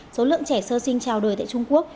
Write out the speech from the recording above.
số lượng trẻ sơ sinh trào đời tại trung quốc